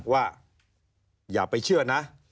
ว่าอย่าไปเชื่อนะ